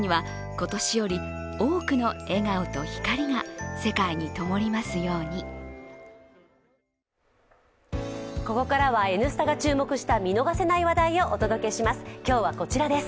ここからは「Ｎスタ」が注目した見逃せない話題をお届けします。